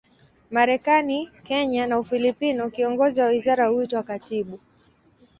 Marekani, Kenya na Ufilipino, kiongozi wa wizara huitwa katibu.